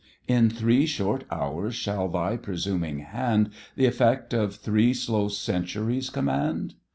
In three short hours shall thy presuming hand Th' effect of three slow centuries command?